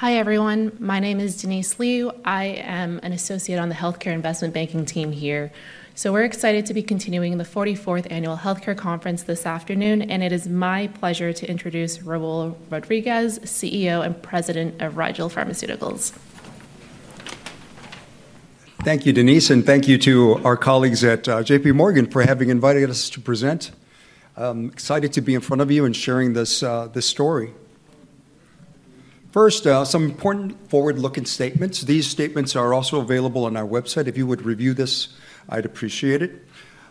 Hi everyone, my name is Denise Liu. I am an Associate on the Healthcare Investment Banking team here, so we're excited to be continuing the 44th Annual Healthcare Conference this afternoon, and it is my pleasure to introduce Raul Rodriguez, CEO and President of Rigel Pharmaceuticals. Thank you, Denise, and thank you to our colleagues at JPMorgan for having invited us to present. I'm excited to be in front of you and sharing this story. First, some important forward-looking statements. These statements are also available on our website. If you would review this, I'd appreciate it.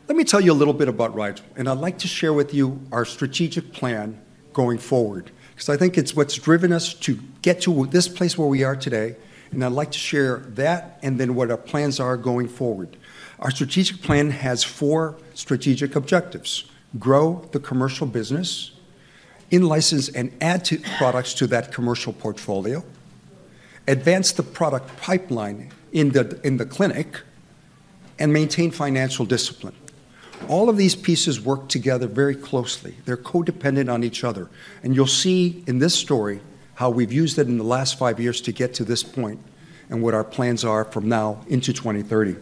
Let me tell you a little bit about Rigel, and I'd like to share with you our strategic plan going forward, because I think it's what's driven us to get to this place where we are today. I'd like to share that and then what our plans are going forward. Our strategic plan has four strategic objectives: grow the commercial business, in-license and add products to that commercial portfolio, advance the product pipeline in the clinic, and maintain financial discipline. All of these pieces work together very closely. They're co-dependent on each other. And you'll see in this story how we've used it in the last five years to get to this point and what our plans are from now into 2030.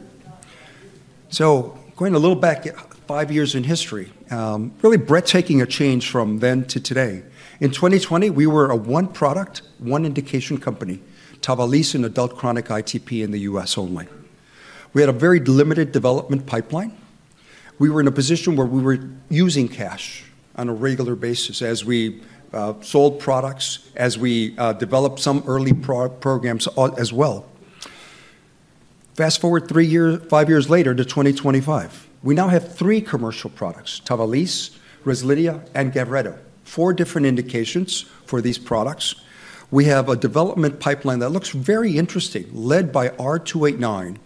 So going a little back, five years in history, really breathtaking a change from then to today. In 2020, we were a one-product, one-indication company, TAVALISSE in adult chronic ITP in the U.S. only. We had a very limited development pipeline. We were in a position where we were using cash on a regular basis as we sold products, as we developed some early programs as well. Fast forward five years later to 2025. We now have three commercial products: TAVALISSE, REZLIDHIA, and GAVRETO. Four different indications for these products. We have a development pipeline that looks very interesting, led by R289,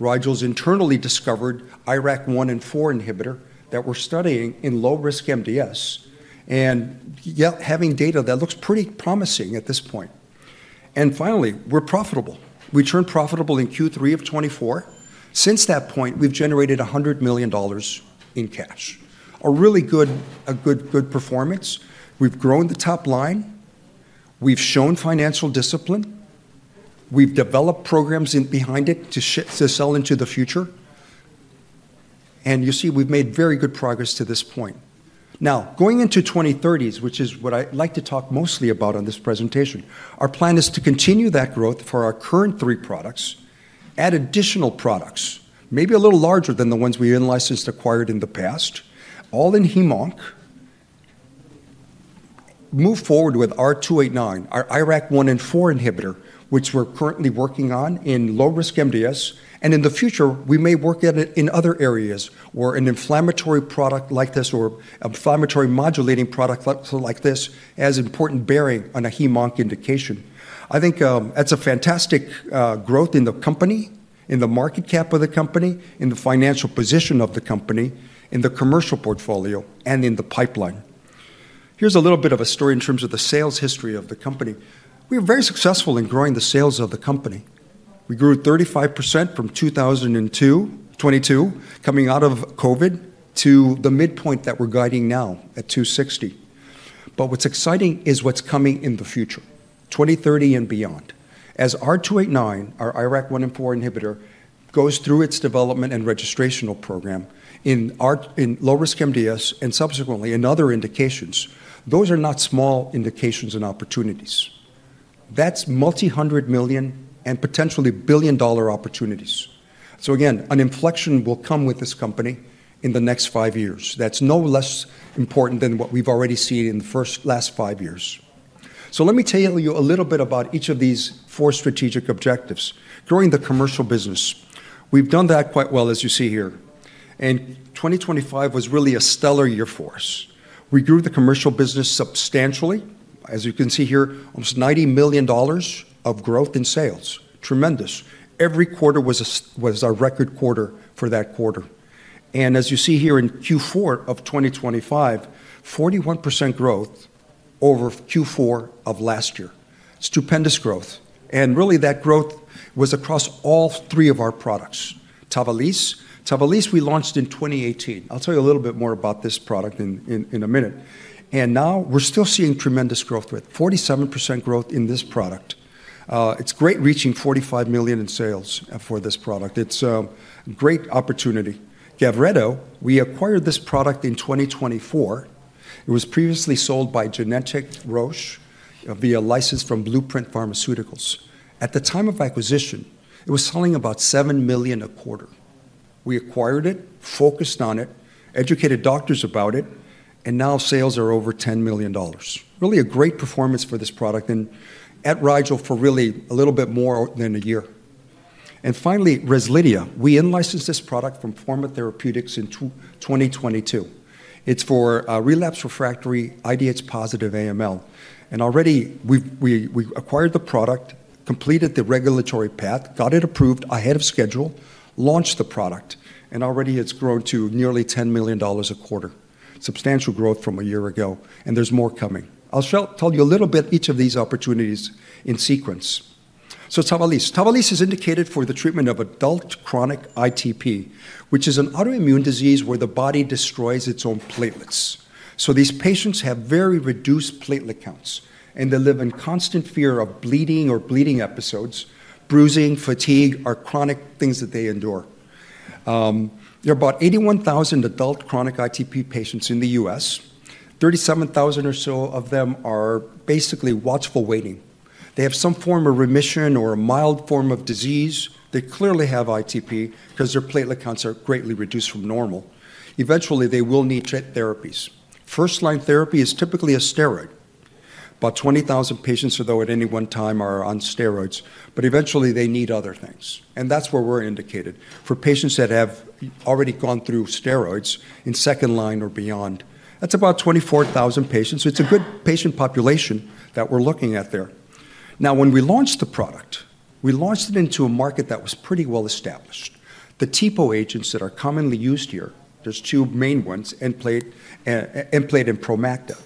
Rigel's internally discovered IRAK1 and 4 inhibitor that we're studying in low-risk MDS, and having data that looks pretty promising at this point. And finally, we're profitable. We turned profitable in Q3 of 2024. Since that point, we've generated $100 million in cash. A really good performance. We've grown the top line. We've shown financial discipline. We've developed programs behind it to sell into the future. And you see, we've made very good progress to this point. Now, going into 2030, which is what I'd like to talk mostly about on this presentation, our plan is to continue that growth for our current three products, add additional products, maybe a little larger than the ones we in-licensed acquired in the past, all in Heme-Onc, move forward with R289, our IRAK1 and 4 inhibitor, which we're currently working on in low-risk MDS. In the future, we may work in other areas where an inflammatory product like this or inflammatory modulating product like this has important bearing on a Heme-Onc indication. I think that's a fantastic growth in the company, in the market cap of the company, in the financial position of the company, in the commercial portfolio, and in the pipeline. Here's a little bit of a story in terms of the sales history of the company. We were very successful in growing the sales of the company. We grew 35% from 2022, coming out of COVID to the midpoint that we're guiding now at 260, but what's exciting is what's coming in the future, 2030 and beyond. As R289, our IRAK1 and 4 inhibitor, goes through its development and registration program in low-risk MDS and subsequently in other indications, those are not small indications and opportunities. That's multi-hundred million and potentially billion-dollar opportunities, so again, an inflection will come with this company in the next five years. That's no less important than what we've already seen in the last five years, so let me tell you a little bit about each of these four strategic objectives. Growing the commercial business, we've done that quite well, as you see here, and 2025 was really a stellar year for us. We grew the commercial business substantially, as you can see here, almost $90 million of growth in sales. Tremendous. Every quarter was our record quarter for that quarter. And as you see here in Q4 of 2025, 41% growth over Q4 of last year. Stupendous growth. And really, that growth was across all three of our products. TAVALISSE, we launched in 2018. I'll tell you a little bit more about this product in a minute. And now we're still seeing tremendous growth with 47% growth in this product. It's great reaching $45 million in sales for this product. It's a great opportunity. GAVRETO, we acquired this product in 2024. It was previously sold by Genentech Roche via license from Blueprint Pharmaceuticals. At the time of acquisition, it was selling about $7 million a quarter. We acquired it, focused on it, educated doctors about it, and now sales are over $10 million. Really a great performance for this product and at Rigel for really a little bit more than a year. And finally, REZLIDHIA, we in-licensed this product from Forma Therapeutics in 2022. It's for relapsed refractory IDH positive AML. And already we acquired the product, completed the regulatory path, got it approved ahead of schedule, launched the product, and already it's grown to nearly $10 million a quarter. Substantial growth from a year ago, and there's more coming. I'll tell you a little bit each of these opportunities in sequence. So TAVALISSE, TAVALISSE is indicated for the treatment of adult chronic ITP, which is an autoimmune disease where the body destroys its own platelets. So these patients have very reduced platelet counts, and they live in constant fear of bleeding or bleeding episodes, bruising, fatigue, or chronic things that they endure. There are about 81,000 adult chronic ITP patients in the U.S. 37,000 or so of them are basically watchful waiting. They have some form of remission or a mild form of disease. They clearly have ITP because their platelet counts are greatly reduced from normal. Eventually, they will need therapies. First-line therapy is typically a steroid. About 20,000 patients, though, at any one time are on steroids, but eventually they need other things. And that's where we're indicated for patients that have already gone through steroids in second line or beyond. That's about 24,000 patients. It's a good patient population that we're looking at there. Now, when we launched the product, we launched it into a market that was pretty well established. The TPO agents that are commonly used here, there's two main ones, Nplate and Promacta.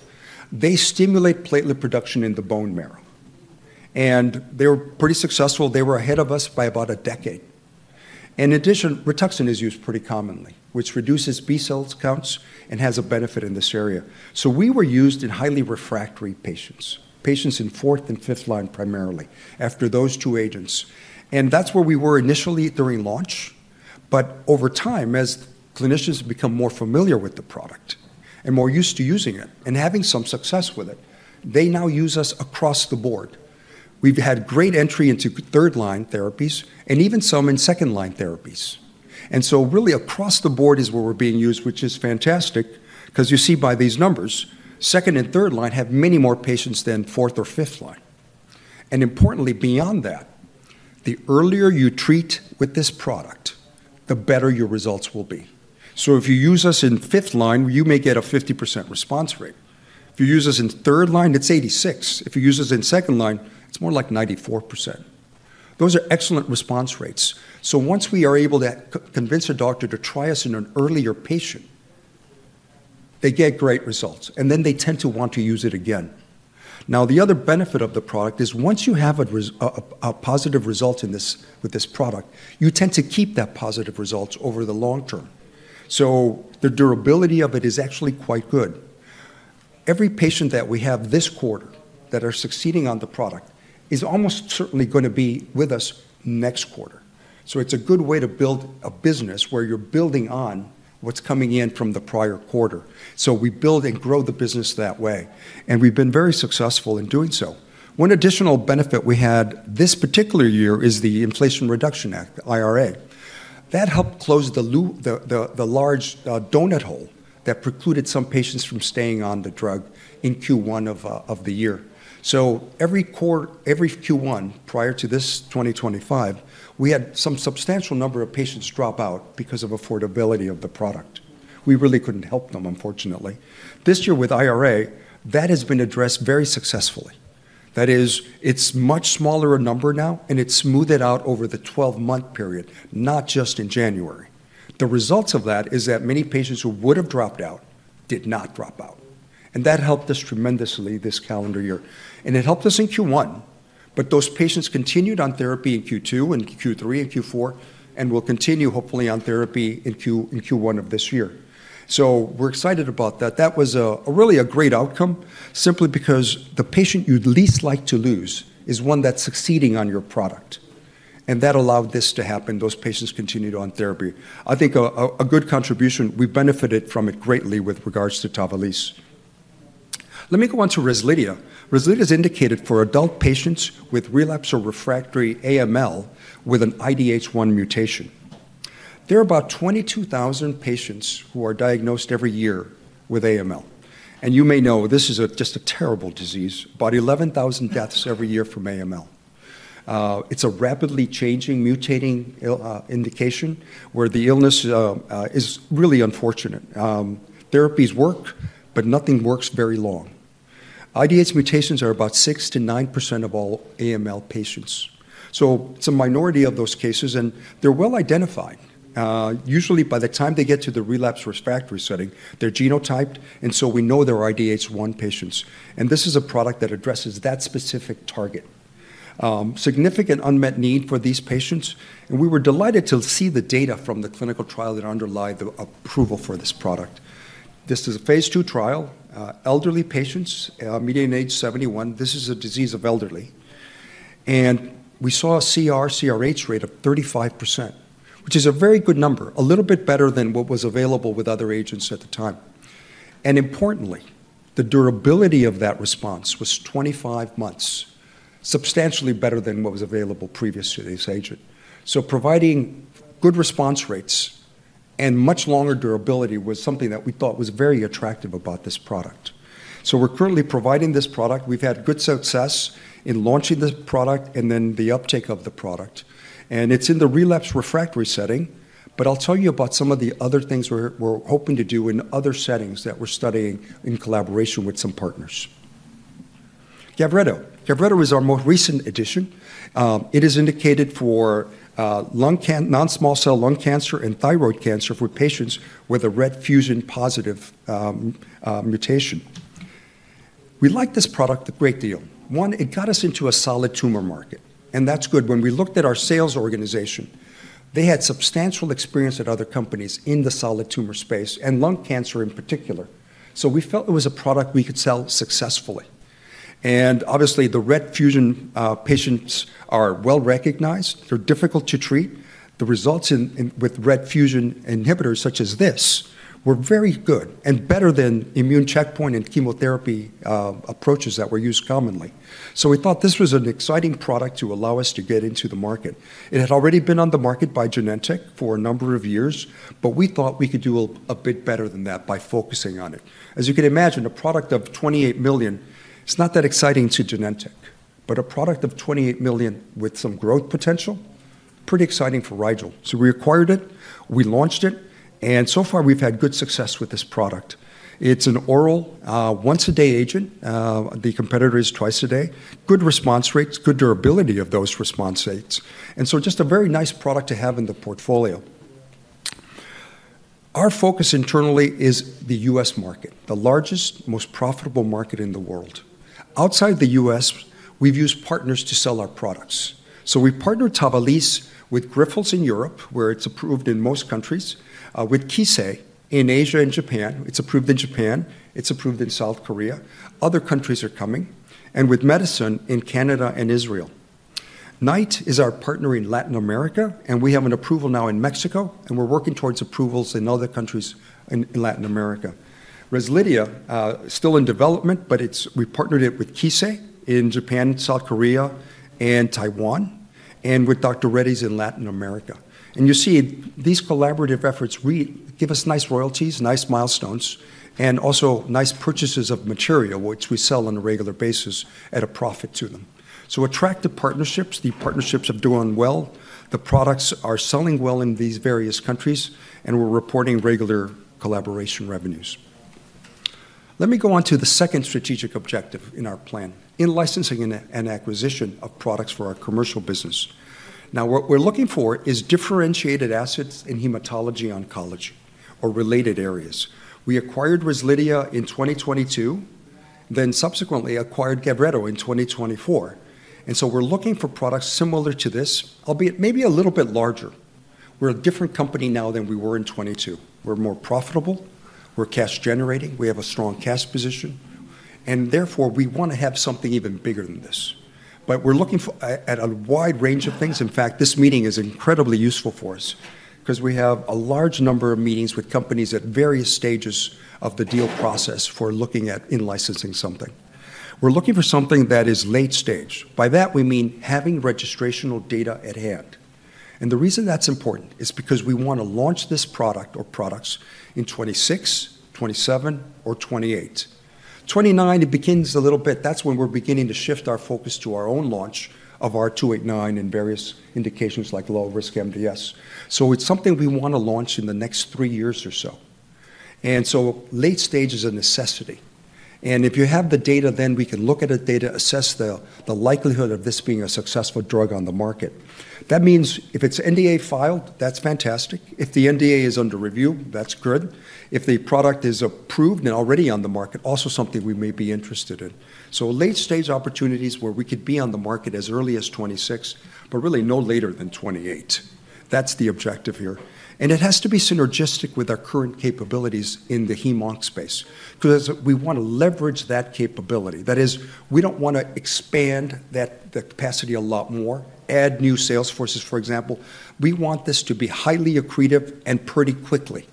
They stimulate platelet production in the bone marrow, and they were pretty successful. They were ahead of us by about a decade. In addition, Rituxan is used pretty commonly, which reduces B-cell counts and has a benefit in this area, so we were used in highly refractory patients, patients in fourth- and fifth-line primarily after those two agents, and that's where we were initially during launch, but over time, as clinicians have become more familiar with the product and more used to using it and having some success with it, they now use us across the board. We've had great entry into third-line therapies and even some in second-line therapies. And so really across the board is where we're being used, which is fantastic because you see by these numbers, second and third line have many more patients than fourth or fifth line. And importantly, beyond that, the earlier you treat with this product, the better your results will be. So if you use us in fifth line, you may get a 50% response rate. If you use us in third line, it's 86%. If you use us in second line, it's more like 94%. Those are excellent response rates. So once we are able to convince a doctor to try us in an earlier patient, they get great results, and then they tend to want to use it again. Now, the other benefit of the product is once you have a positive result with this product, you tend to keep that positive result over the long term. So the durability of it is actually quite good. Every patient that we have this quarter that are succeeding on the product is almost certainly going to be with us next quarter. So it's a good way to build a business where you're building on what's coming in from the prior quarter. So we build and grow the business that way. And we've been very successful in doing so. One additional benefit we had this particular year is the Inflation Reduction Act, IRA. That helped close the large donut hole that precluded some patients from staying on the drug in Q1 of the year. So every Q1 prior to this 2025, we had some substantial number of patients drop out because of affordability of the product. We really couldn't help them, unfortunately. This year with IRA, that has been addressed very successfully. That is, it's a much smaller number now, and it smoothed out over the 12-month period, not just in January. The result of that is that many patients who would have dropped out did not drop out, and that helped us tremendously this calendar year, and it helped us in Q1, but those patients continued on therapy in Q2 and Q3 and Q4 and will continue hopefully on therapy in Q1 of this year, so we're excited about that. That was really a great outcome simply because the patient you'd least like to lose is one that's succeeding on your product, and that allowed this to happen. Those patients continued on therapy. I think a good contribution. We benefited from it greatly with regards to TAVALISSE. Let me go on to REZLIDHIA. REZLIDHIA is indicated for adult patients with relapsed or refractory AML with an IDH1 mutation. There are about 22,000 patients who are diagnosed every year with AML. And you may know this is just a terrible disease, about 11,000 deaths every year from AML. It's a rapidly changing, mutating indication where the illness is really unfortunate. Therapies work, but nothing works very long. IDH mutations are about 6%-9% of all AML patients. So it's a minority of those cases, and they're well identified. Usually, by the time they get to the relapse-refractory setting, they're genotyped, and so we know they're IDH1 patients. And this is a product that addresses that specific target. Significant unmet need for these patients. And we were delighted to see the data from the clinical trial that underlied the approval for this product. This is a phase 2 trial, elderly patients, median age 71. This is a disease of elderly. We saw a CR/CRH rate of 35%, which is a very good number, a little bit better than what was available with other agents at the time. Importantly, the durability of that response was 25 months, substantially better than what was available previous to this agent. Providing good response rates and much longer durability was something that we thought was very attractive about this product. We're currently providing this product. We've had good success in launching the product and then the uptake of the product. It's in the relapse refractory setting, but I'll tell you about some of the other things we're hoping to do in other settings that we're studying in collaboration with some partners. GAVRETO. GAVRETO is our most recent addition. It is indicated for non-small cell lung cancer and thyroid cancer for patients with a RET fusion-positive mutation. We liked this product a great deal. One, it got us into a solid tumor market, and that's good. When we looked at our sales organization, they had substantial experience at other companies in the solid tumor space and lung cancer in particular. So we felt it was a product we could sell successfully. And obviously, the RET fusion patients are well recognized. They're difficult to treat. The results with RET fusion inhibitors such as this were very good and better than immune checkpoint and chemotherapy approaches that were used commonly. So we thought this was an exciting product to allow us to get into the market. It had already been on the market by Genentech for a number of years, but we thought we could do a bit better than that by focusing on it. As you can imagine, a product of $28 million, it's not that exciting to Genentech, but a product of $28 million with some growth potential, pretty exciting for Rigel, so we acquired it. We launched it, and so far, we've had good success with this product. It's an oral once-a-day agent. The competitor is twice a day. Good response rates, good durability of those response rates, and so just a very nice product to have in the portfolio. Our focus internally is the U.S. market, the largest, most profitable market in the world. Outside the U.S., we've used partners to sell our products, so we partnered TAVALISSE with Grifols in Europe, where it's approved in most countries, with Kissei in Asia and Japan. It's approved in Japan. It's approved in South Korea. Other countries are coming, and with Medison in Canada and Israel. Knight is our partner in Latin America, and we have an approval now in Mexico, and we're working towards approvals in other countries in Latin America. REZLIDHIA is still in development, but we partnered it with Kissei in Japan, South Korea, and Taiwan, and with Dr. Reddy's in Latin America, and you see these collaborative efforts give us nice royalties, nice milestones, and also nice purchases of material, which we sell on a regular basis at a profit to them, so attractive partnerships. The partnerships have done well. The products are selling well in these various countries, and we're reporting regular collaboration revenues. Let me go on to the second strategic objective in our plan, in licensing and acquisition of products for our commercial business. Now, what we're looking for is differentiated assets in hematology-oncology or related areas. We acquired REZLIDHIA in 2022, then subsequently acquired GAVRETO in 2024. And so we're looking for products similar to this, albeit maybe a little bit larger. We're a different company now than we were in 2022. We're more profitable. We're cash-generating. We have a strong cash position. And therefore, we want to have something even bigger than this. But we're looking at a wide range of things. In fact, this meeting is incredibly useful for us because we have a large number of meetings with companies at various stages of the deal process for looking at in-licensing something. We're looking for something that is late stage. By that, we mean having registrational data at hand. And the reason that's important is because we want to launch this product or products in 2026, 2027, or 2028. 2029, it begins a little bit. That's when we're beginning to shift our focus to our own launch of R289 and various indications like low-risk MDS. It's something we want to launch in the next three years or so. Late stage is a necessity. If you have the data, then we can look at the data, assess the likelihood of this being a successful drug on the market. That means if it's NDA filed, that's fantastic. If the NDA is under review, that's good. If the product is approved and already on the market, also something we may be interested in. Late stage opportunities where we could be on the market as early as 2026, but really no later than 2028. That's the objective here. It has to be synergistic with our current capabilities in the heme-onc space because we want to leverage that capability. That is, we don't want to expand the capacity a lot more, add new sales forces, for example. We want this to be highly accretive and pretty quickly,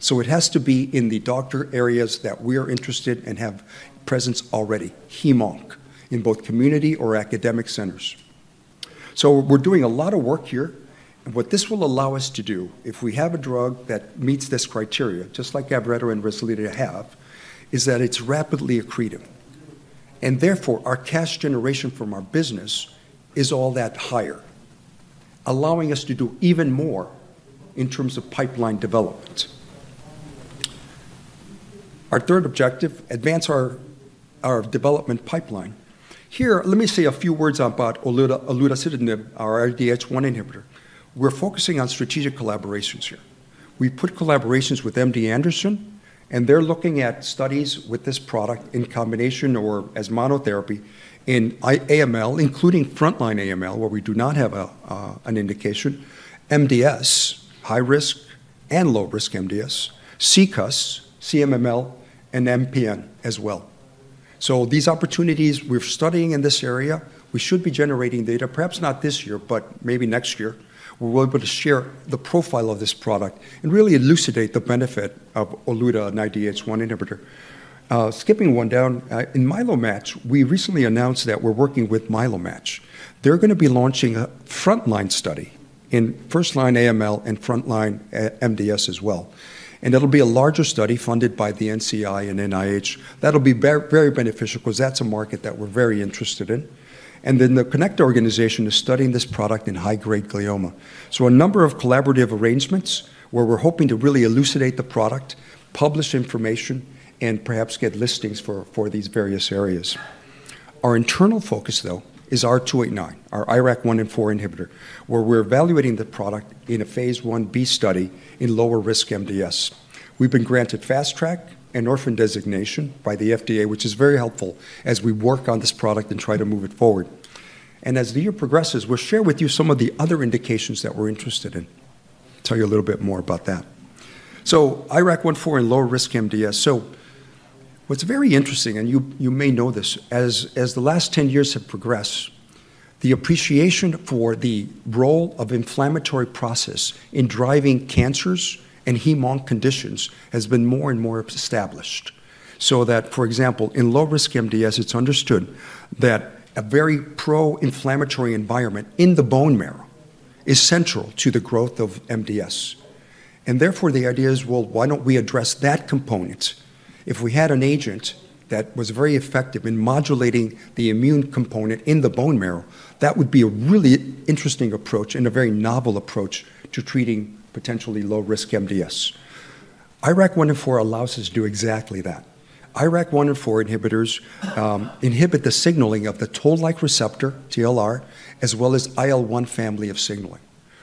so it has to be in the doctor areas that we are interested in and have presence already, heme-onc, in both community or academic centers, so we're doing a lot of work here. And what this will allow us to do if we have a drug that meets this criteria, just like GAVRETO and REZLIDHIA have, is that it's rapidly accretive. And therefore, our cash generation from our business is all that higher, allowing us to do even more in terms of pipeline development. Our third objective, advance our development pipeline. Here, let me say a few words about olutasidenib, our IDH1 inhibitor. We're focusing on strategic collaborations here. We have collaborations with MD Anderson, and they're looking at studies with this product in combination or as monotherapy in AML, including frontline AML, where we do not have an indication, MDS, high-risk and low-risk MDS, CCUS, CMML, and MPN as well. These opportunities we're studying in this area, we should be generating data, perhaps not this year, but maybe next year. We're able to share the profile of this product and really elucidate the benefit of olutasidenib and IDH1 inhibitor. Skipping one down, in MyeloMATCH, we recently announced that we're working with MyeloMATCH. They're going to be launching a frontline study in first-line AML and frontline MDS as well, and it'll be a larger study funded by the NCI and NIH. That'll be very beneficial because that's a market that we're very interested in, and then the CONNECT organization is studying this product in high-grade glioma. A number of collaborative arrangements where we're hoping to really elucidate the product, publish information, and perhaps get listings for these various areas. Our internal focus, though, is R289, our IRAK1 and 4 inhibitor, where we're evaluating the product in a phase 1b study in low-risk MDS. We've been granted Fast Track and Orphan Drug designation by the FDA, which is very helpful as we work on this product and try to move it forward. And as the year progresses, we'll share with you some of the other indications that we're interested in. Tell you a little bit more about that. So IRAK1, 4 in low-risk MDS. What's very interesting, and you may know this, as the last 10 years have progressed, the appreciation for the role of inflammatory process in driving cancers and heme-onc conditions has been more and more established. So that, for example, in low-risk MDS, it's understood that a very pro-inflammatory environment in the bone marrow is central to the growth of MDS. And therefore, the idea is, well, why don't we address that component? If we had an agent that was very effective in modulating the immune component in the bone marrow, that would be a really interesting approach and a very novel approach to treating potentially low-risk MDS. IRAK1 and 4 allows us to do exactly that. IRAK1 and 4 inhibitors inhibit the signaling of the Toll-like receptor, TLR, as well as IL-1 family of signaling,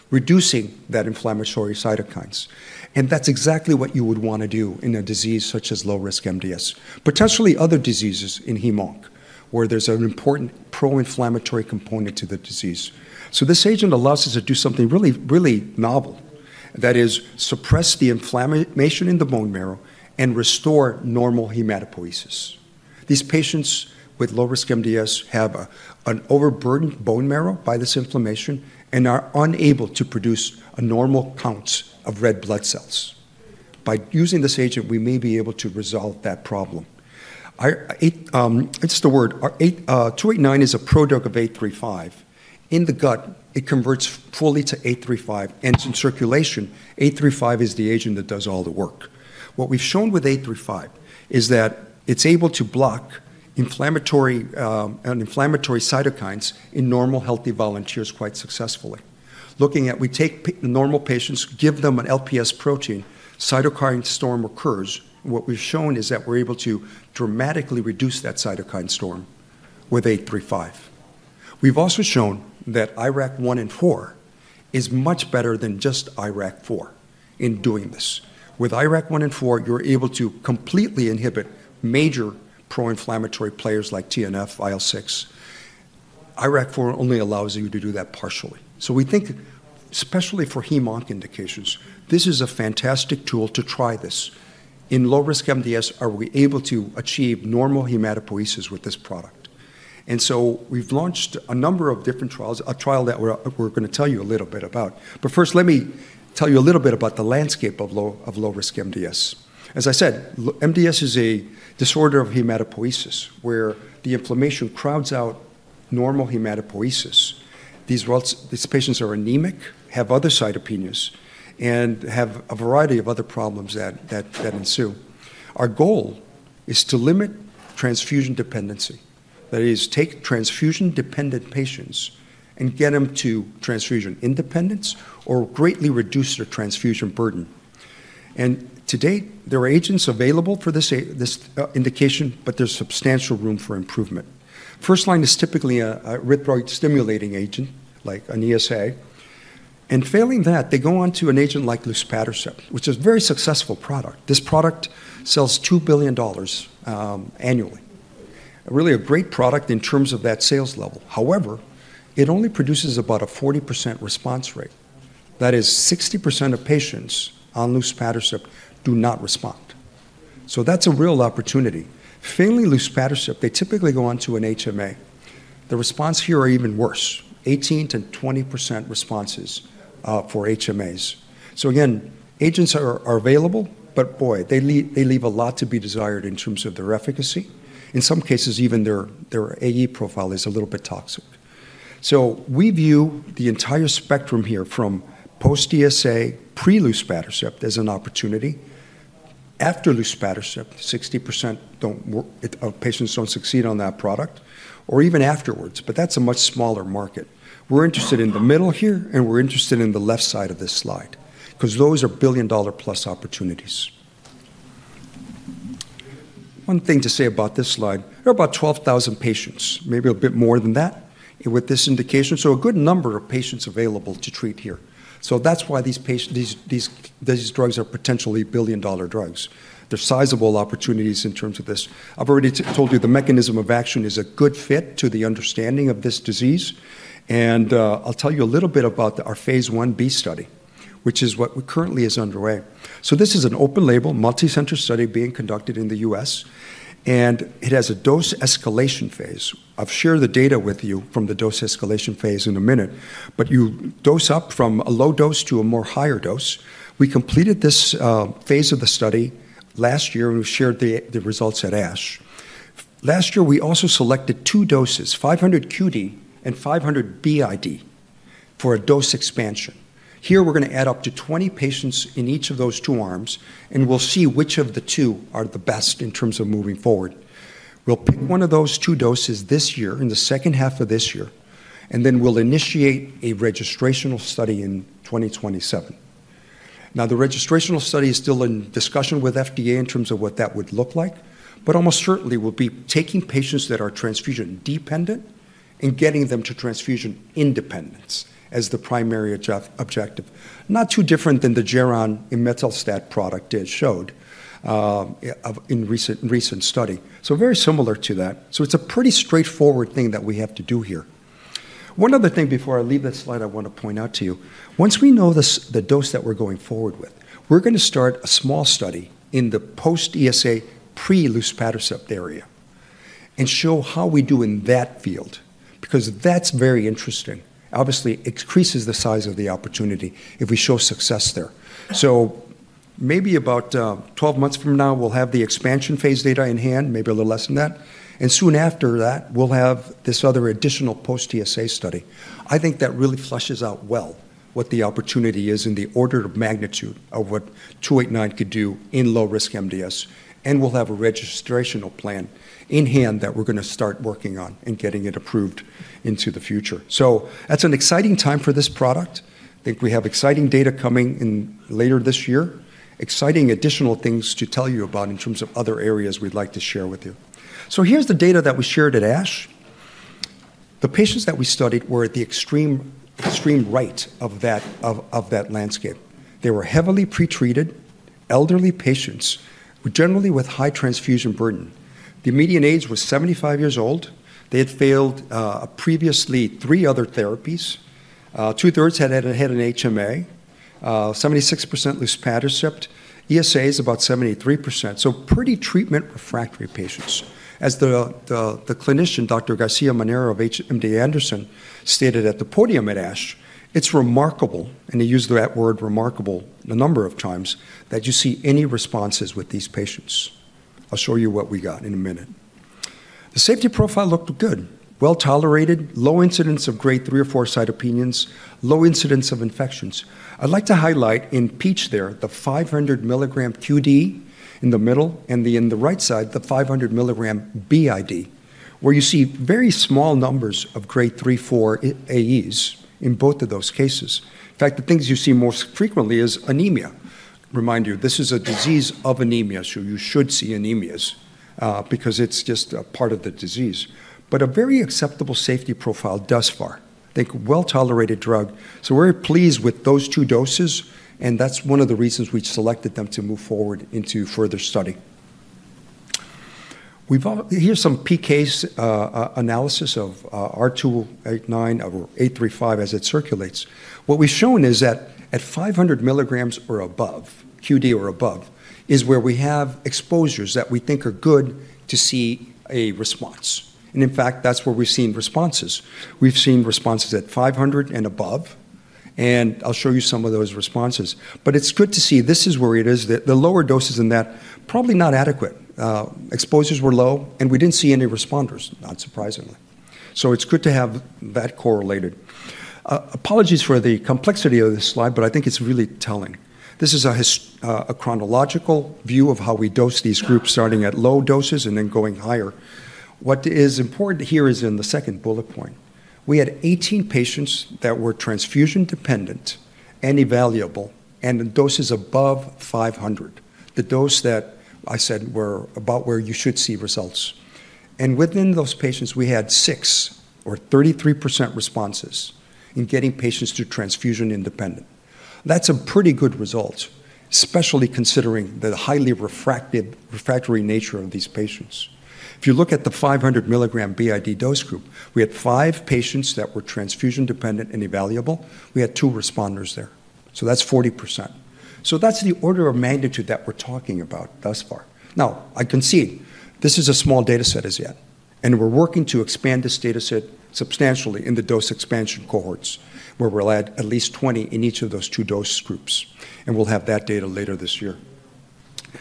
reducing that inflammatory cytokines. And that's exactly what you would want to do in a disease such as low-risk MDS, potentially other diseases in heme-onc where there's an important pro-inflammatory component to the disease. So this agent allows us to do something really, really novel. That is, suppress the inflammation in the bone marrow and restore normal hematopoiesis. These patients with low-risk MDS have an overburdened bone marrow by this inflammation and are unable to produce a normal count of red blood cells. By using this agent, we may be able to resolve that problem. R289 is a prodrug of 835. In the gut, it converts fully to 835, and in circulation, 835 is the agent that does all the work. What we've shown with 835 is that it's able to block inflammatory cytokines in normal healthy volunteers quite successfully. Looking at, we take normal patients, give them an LPS protein, cytokine storm occurs. What we've shown is that we're able to dramatically reduce that cytokine storm with 835. We've also shown that IRAK1 and 4 is much better than just IRAK4 in doing this. With IRAK1 and 4, you're able to completely inhibit major pro-inflammatory players like TNF, IL-6. IRAK4 only allows you to do that partially. So we think, especially for heme-onc indications, this is a fantastic tool to try this. In low-risk MDS, are we able to achieve normal hematopoiesis with this product? And so we've launched a number of different trials, a trial that we're going to tell you a little bit about. But first, let me tell you a little bit about the landscape of low-risk MDS. As I said, MDS is a disorder of hematopoiesis where the inflammation crowds out normal hematopoiesis. These patients are anemic, have other cytopenias, and have a variety of other problems that ensue. Our goal is to limit transfusion dependency. That is, take transfusion-dependent patients and get them to transfusion independence or greatly reduce their transfusion burden. Today, there are agents available for this indication, but there's substantial room for improvement. First line is typically an erythropoiesis-stimulating agent like an ESA. Failing that, they go on to an agent like luspatercept, which is a very successful product. This product sells $2 billion annually. Really a great product in terms of that sales level. However, it only produces about a 40% response rate. That is, 60% of patients on luspatercept do not respond. That's a real opportunity. Failing luspatercept, they typically go on to an HMA. The response here are even worse, 18%-20% responses for HMAs. Again, agents are available, but boy, they leave a lot to be desired in terms of their efficacy. In some cases, even their AE profile is a little bit toxic. We view the entire spectrum here from post-ESA, pre-luspatercept as an opportunity. After luspatercept, 60% of patients don't succeed on that product, or even afterwards, but that's a much smaller market. We're interested in the middle here, and we're interested in the left side of this slide because those are billion-dollar-plus opportunities. One thing to say about this slide, there are about 12,000 patients, maybe a bit more than that with this indication. So a good number of patients available to treat here. So that's why these drugs are potentially billion-dollar drugs. There's sizable opportunities in terms of this. I've already told you the mechanism of action is a good fit to the understanding of this disease, and I'll tell you a little bit about our phase 1b study, which is what currently is underway. So this is an open-label, multicenter study being conducted in the U.S., and it has a dose escalation phase. I've shared the data with you from the dose escalation phase in a minute, but you dose up from a low dose to a more higher dose. We completed this phase of the study last year, and we shared the results at ASH. Last year, we also selected two doses, 500 QD and 500 BID, for a dose expansion. Here, we're going to add up to 20 patients in each of those two arms, and we'll see which of the two are the best in terms of moving forward. We'll pick one of those two doses this year in the second half of this year, and then we'll initiate a registrational study in 2027. Now, the registrational study is still in discussion with FDA in terms of what that would look like, but almost certainly we'll be taking patients that are transfusion-dependent and getting them to transfusion independence as the primary objective. Not too different than the Geron imetelstat product it showed in a recent study. So very similar to that. So it's a pretty straightforward thing that we have to do here. One other thing before I leave this slide, I want to point out to you. Once we know the dose that we're going forward with, we're going to start a small study in the post-ESA, pre-luspatercept era and show how we do in that era because that's very interesting. Obviously, it increases the size of the opportunity if we show success there. So maybe about 12 months from now, we'll have the expansion phase data in hand, maybe a little less than that. And soon after that, we'll have this other additional post-ESA study. I think that really fleshes out well what the opportunity is in the order of magnitude of what 289 could do in low-risk MDS. And we'll have a registrational plan in hand that we're going to start working on and getting it approved into the future. So that's an exciting time for this product. I think we have exciting data coming later this year, exciting additional things to tell you about in terms of other areas we'd like to share with you. So here's the data that we shared at ASH. The patients that we studied were at the extreme right of that landscape. They were heavily pretreated elderly patients, generally with high transfusion burden. The median age was 75 years old. They had failed previously three other therapies. Two-thirds had an HMA, 76% luspatercept. ESA is about 73%, so pretty treatment refractory patients. As the clinician, Dr. Garcia-Manero of MD Anderson, stated at the podium at ASH, it's remarkable, and he used that word remarkable a number of times, that you see any responses with these patients. I'll show you what we got in a minute. The safety profile looked good, well tolerated, low incidence of grade three or four cytopenias, low incidence of infections. I'd like to highlight in peach there the 500 milligram QD in the middle and the right side, the 500 milligram BID, where you see very small numbers of grade three, four AEs in both of those cases. In fact, the things you see most frequently is anemia. Remind you, this is a disease of anemia, so you should see anemias because it's just a part of the disease. But a very acceptable safety profile thus far. I think well tolerated drug. So we're pleased with those two doses, and that's one of the reasons we selected them to move forward into further study. Here's some PKs analysis of R289 or 835 as it circulates. What we've shown is that at 500 milligrams or above, QD or above, is where we have exposures that we think are good to see a response. And in fact, that's where we've seen responses. We've seen responses at 500 and above, and I'll show you some of those responses. But it's good to see this is where it is that the lower doses in that probably not adequate. Exposures were low, and we didn't see any responders, not surprisingly. So it's good to have that correlated. Apologies for the complexity of this slide, but I think it's really telling. This is a chronological view of how we dose these groups starting at low doses and then going higher. What is important here is in the second bullet point. We had 18 patients that were transfusion-dependent and evaluable and in doses above 500, the dose that I said were about where you should see results. And within those patients, we had six or 33% responses in getting patients to transfusion-independent. That's a pretty good result, especially considering the highly refractory nature of these patients. If you look at the 500 milligram BID dose group, we had five patients that were transfusion-dependent and evaluable. We had two responders there. So that's 40%. So that's the order of magnitude that we're talking about thus far. Now, I concede, this is a small dataset as yet, and we're working to expand this dataset substantially in the dose expansion cohorts where we'll add at least 20 in each of those two dose groups, and we'll have that data later this year,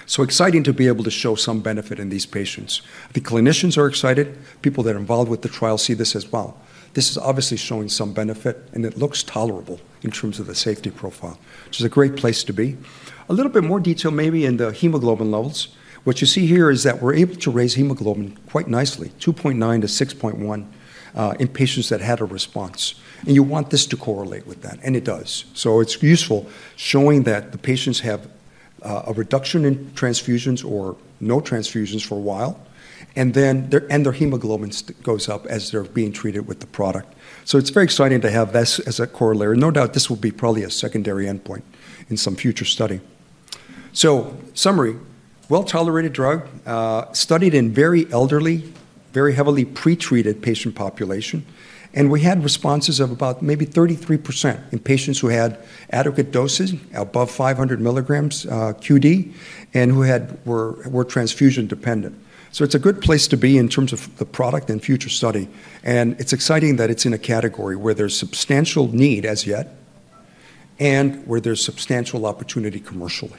so exciting to be able to show some benefit in these patients. The clinicians are excited. People that are involved with the trial see this as well. This is obviously showing some benefit, and it looks tolerable in terms of the safety profile, which is a great place to be. A little bit more detail maybe in the hemoglobin levels. What you see here is that we're able to raise hemoglobin quite nicely, 2.9 to 6.1 in patients that had a response, and you want this to correlate with that, and it does. So it's useful showing that the patients have a reduction in transfusions or no transfusions for a while, and their hemoglobin goes up as they're being treated with the product. So it's very exciting to have this as a correlator. No doubt this will be probably a secondary endpoint in some future study. So summary, well-tolerated drug, studied in very elderly, very heavily pretreated patient population. And we had responses of about maybe 33% in patients who had adequate doses, above 500 milligrams QD, and who were transfusion-dependent. So it's a good place to be in terms of the product and future study. And it's exciting that it's in a category where there's substantial need as yet and where there's substantial opportunity commercially.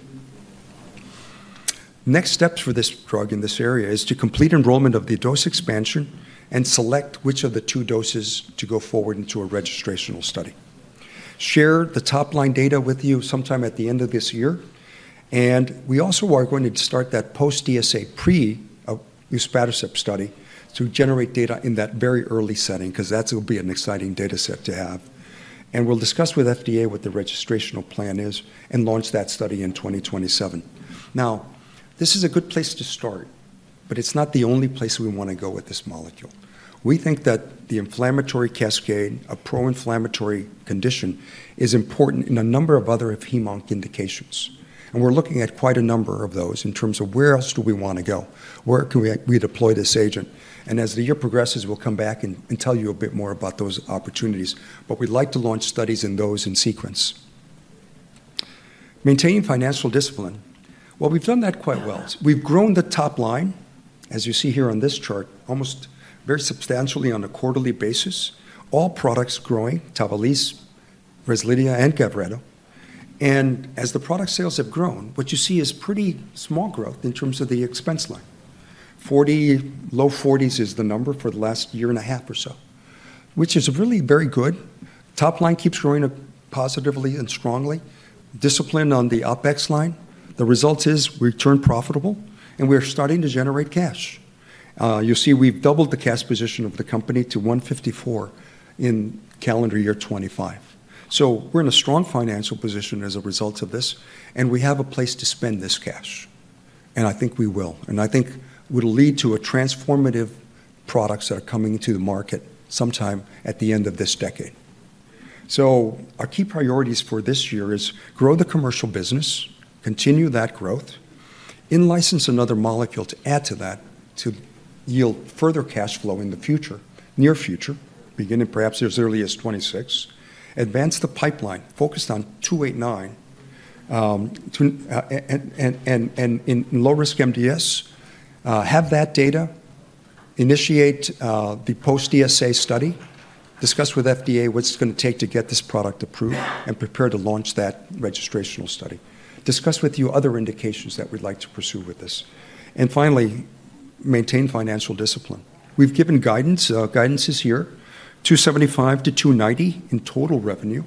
Next steps for this drug in this area is to complete enrollment of the dose expansion and select which of the two doses to go forward into a registrational study, share the top-line data with you sometime at the end of this year, and we also are going to start that post-ESA pre-luspatercept study to generate data in that very early setting because that will be an exciting dataset to have. We'll discuss with FDA what the registrational plan is and launch that study in 2027. Now, this is a good place to start, but it's not the only place we want to go with this molecule. We think that the inflammatory cascade, a pro-inflammatory condition, is important in a number of other heme-onc indications. And we're looking at quite a number of those in terms of where else do we want to go, where can we deploy this agent. And as the year progresses, we'll come back and tell you a bit more about those opportunities. But we'd like to launch studies in those in sequence. Maintaining financial discipline. Well, we've done that quite well. We've grown the top line, as you see here on this chart, almost very substantially on a quarterly basis. All products growing, TAVALISSE, REZLIDHIA, and GAVRETO. And as the product sales have grown, what you see is pretty small growth in terms of the expense line. Low 40s is the number for the last year and a half or so, which is really very good. Top line keeps growing positively and strongly. Discipline on the OpEx line. The result is we turn profitable, and we're starting to generate cash. You'll see we've doubled the cash position of the company to $154 million in calendar year 2025, so we're in a strong financial position as a result of this, and we have a place to spend this cash, and I think we will. I think it will lead to transformative products that are coming to the market sometime at the end of this decade. Our key priorities for this year is grow the commercial business, continue that growth, in-license another molecule to add to that to yield further cash flow in the near future, beginning perhaps as early as 2026, advance the pipeline focused on R289 in low-risk MDS, have that data, initiate the post-ESA study, discuss with FDA what it's going to take to get this product approved, and prepare to launch that registrational study. Discuss with you other indications that we'd like to pursue with this. Finally, maintain financial discipline. We've given guidance. Guidance is here. $275 million-$290 million in total revenue,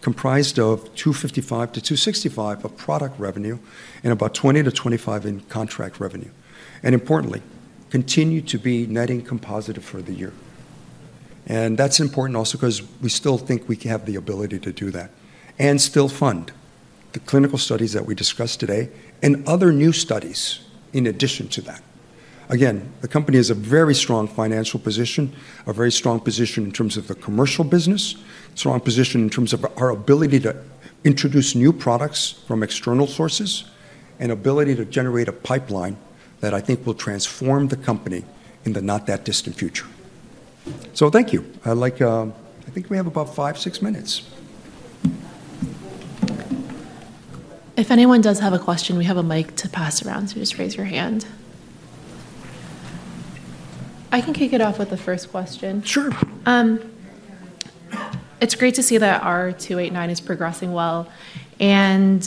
comprised of $255 million-$265 million of product revenue, and about $20 million-$25 million in contract revenue. Importantly, continue to be net cash positive for the year. That's important also because we still think we have the ability to do that and still fund the clinical studies that we discussed today and other new studies in addition to that. Again, the company has a very strong financial position, a very strong position in terms of the commercial business, strong position in terms of our ability to introduce new products from external sources, and ability to generate a pipeline that I think will transform the company in the not that distant future. Thank you. I think we have about 5-6 minutes. If anyone does have a question, we have a mic to pass around. So just raise your hand. I can kick it off with the first question. Sure. It's great to see that R289 is progressing well, and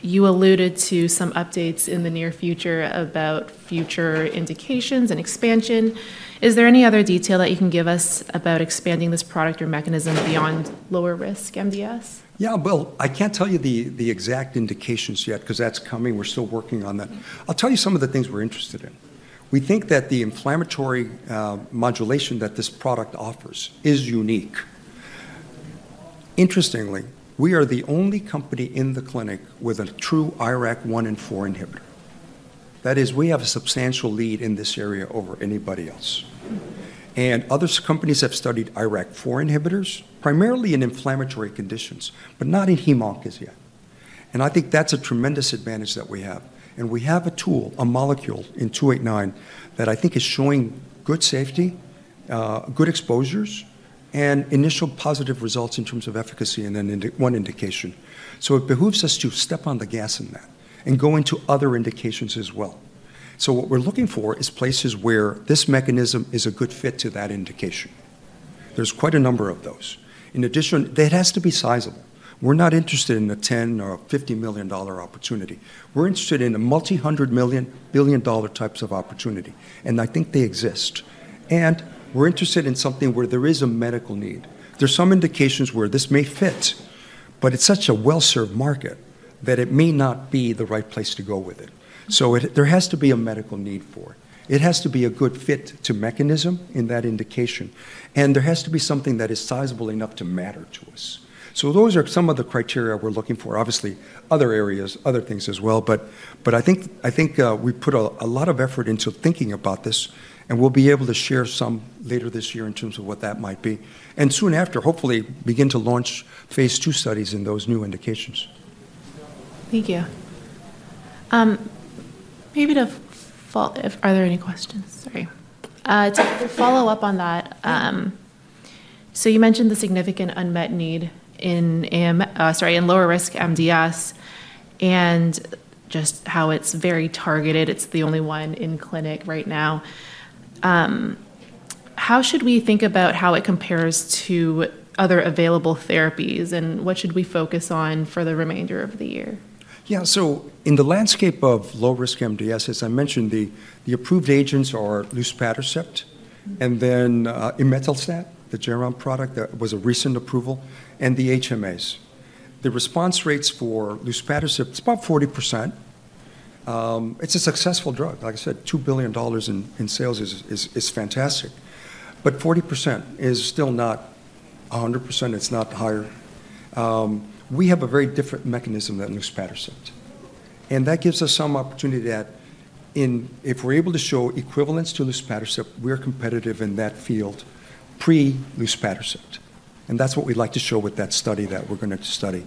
you alluded to some updates in the near future about future indications and expansion. Is there any other detail that you can give us about expanding this product or mechanism beyond lower-risk MDS? Yeah, well, I can't tell you the exact indications yet because that's coming. We're still working on that. I'll tell you some of the things we're interested in. We think that the inflammatory modulation that this product offers is unique. Interestingly, we are the only company in the clinic with a true IRAK1 and 4 inhibitor. That is, we have a substantial lead in this area over anybody else. Other companies have studied IRAK 4 inhibitors, primarily in inflammatory conditions, but not in heme-onc yet. I think that's a tremendous advantage that we have. We have a tool, a molecule, R289, that I think is showing good safety, good exposures, and initial positive results in terms of efficacy in one indication. It behooves us to step on the gas in that and go into other indications as well. We're looking for places where this mechanism is a good fit to that indication. There's quite a number of those. In addition, that has to be sizable. We're not interested in a $10 million or $50 million opportunity. We're interested in a multi-hundred million dollar types of opportunity. I think they exist. We're interested in something where there is a medical need. There's some indications where this may fit, but it's such a well-served market that it may not be the right place to go with it. So there has to be a medical need for it. It has to be a good fit to mechanism in that indication. And there has to be something that is sizable enough to matter to us. So those are some of the criteria we're looking for. Obviously, other areas, other things as well. But I think we put a lot of effort into thinking about this, and we'll be able to share some later this year in terms of what that might be. And soon after, hopefully, begin to launch phase two studies in those new indications. Thank you. Maybe to follow, are there any questions? Sorry. To follow up on that, so you mentioned the significant unmet need in lower-risk MDS and just how it's very targeted. It's the only one in clinic right now. How should we think about how it compares to other available therapies? And what should we focus on for the remainder of the year? Yeah, so in the landscape of low-risk MDS, as I mentioned, the approved agents are luspatercept, and then imetelstat, the Geron product that was a recent approval, and the HMAs. The response rates for luspatercept, it's about 40%. It's a successful drug. Like I said, $2 billion in sales is fantastic. But 40% is still not 100%. It's not higher. We have a very different mechanism than luspatercept. And that gives us some opportunity that if we're able to show equivalence to luspatercept, we're competitive in that field pre-luspatercept. And that's what we'd like to show with that study that we're going to study.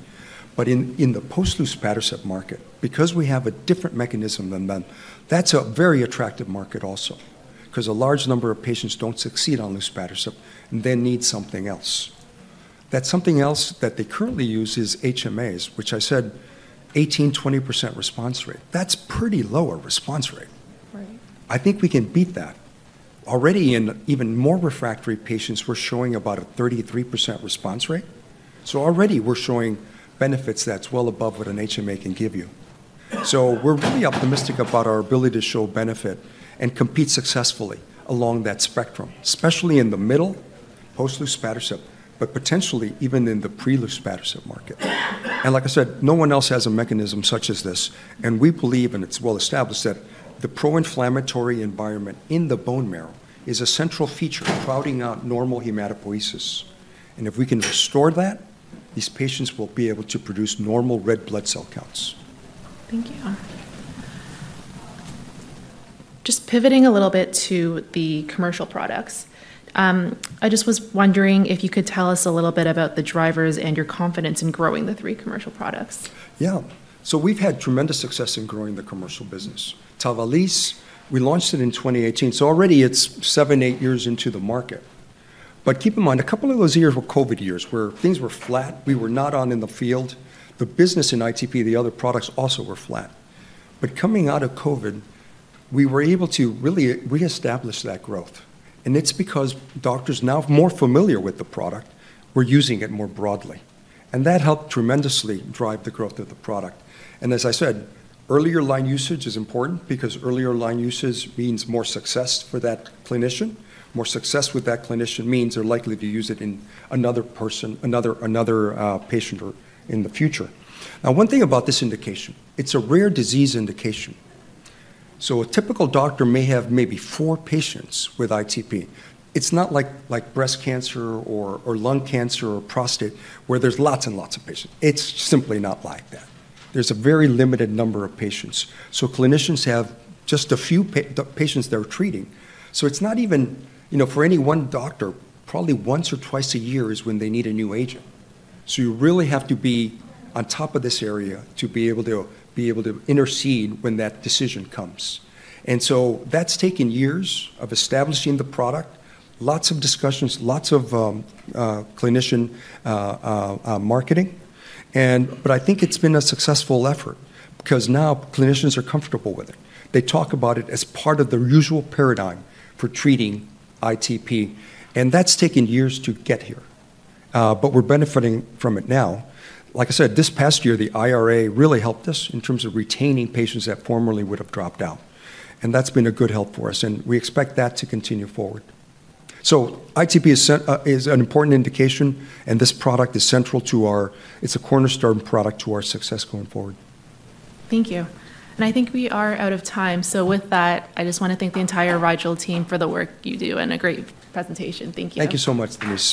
But in the post-luspatercept market, because we have a different mechanism than them, that's a very attractive market also because a large number of patients don't succeed on luspatercept and then need something else. That something else that they currently use is HMAs, which I said 18%-20% response rate. That's pretty low a response rate. I think we can beat that. Already in even more refractory patients, we're showing about a 33% response rate. So already we're showing benefits that's well above what an HMA can give you. So we're really optimistic about our ability to show benefit and compete successfully along that spectrum, especially in the middle, post-luspatercept, but potentially even in the pre-luspatercept market. And like I said, no one else has a mechanism such as this. And we believe, and it's well established, that the pro-inflammatory environment in the bone marrow is a central feature crowding out normal hematopoiesis, and if we can restore that, these patients will be able to produce normal red blood cell counts. Thank you. Just pivoting a little bit to the commercial products, I just was wondering if you could tell us a little bit about the drivers and your confidence in growing the three commercial products. Yeah. So we've had tremendous success in growing the commercial business. TAVALISSE, we launched it in 2018. So already it's seven, eight years into the market. But keep in mind, a couple of those years were COVID years where things were flat. We were not on in the field. The business in ITP, the other products also were flat. But coming out of COVID, we were able to really reestablish that growth. It's because doctors now are more familiar with the product. We're using it more broadly. That helped tremendously drive the growth of the product. As I said, earlier line usage is important because earlier line usage means more success for that clinician. More success with that clinician means they're likely to use it in another patient in the future. Now, one thing about this indication, it's a rare disease indication. So a typical doctor may have maybe four patients with ITP. It's not like breast cancer or lung cancer or prostate where there's lots and lots of patients. It's simply not like that. There's a very limited number of patients. So clinicians have just a few patients they're treating. So it's not even for any one doctor, probably once or twice a year is when they need a new agent. So you really have to be on top of this area to be able to intercede when that decision comes. And so that's taken years of establishing the product, lots of discussions, lots of clinician marketing. But I think it's been a successful effort because now clinicians are comfortable with it. They talk about it as part of their usual paradigm for treating ITP. And that's taken years to get here. But we're benefiting from it now. Like I said, this past year, the IRA really helped us in terms of retaining patients that formerly would have dropped out. And that's been a good help for us. And we expect that to continue forward. So ITP is an important indication. And this product is central to our. It's a cornerstone product to our success going forward. Thank you. And I think we are out of time. So with that, I just want to thank the entire Rigel team for the work you do and a great presentation. Thank you. Thank you so much, Denise.